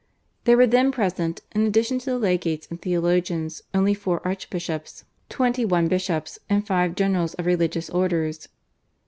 There were then present in addition to the legates and theologians only four archbishops, twenty one bishops, and five generals of religious orders.